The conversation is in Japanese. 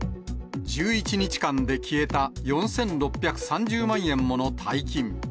１１日間で消えた４６３０万円もの大金。